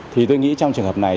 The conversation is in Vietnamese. thì tôi nghĩ trong trường hợp này